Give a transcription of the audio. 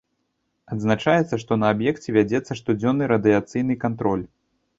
Адзначаецца, што на аб'екце вядзецца штодзённы радыяцыйны кантроль.